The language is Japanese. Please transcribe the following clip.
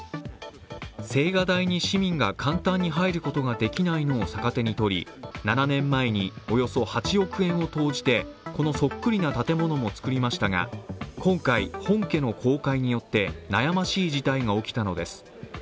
青瓦台に市民が簡単に入ることができないのを逆手に取り７年前におよそ８億円を投じて、このそっくりな建物を造りましたが、今回、本家の公開によって悩ましい事態が起きたのです。